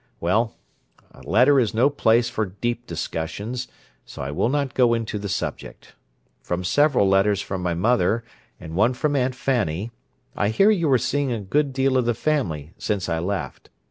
Well, a letter is no place for deep discussions, so I will not go into the subject. From several letters from my mother, and one from Aunt Fanny, I hear you are seeing a good deal of the family since I left.